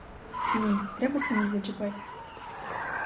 Ні, треба самій зачепити.